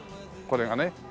これがね